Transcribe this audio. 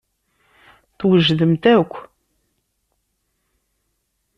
Twejdemt akk.